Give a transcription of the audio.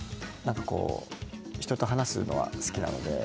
人と話すのは好きなので。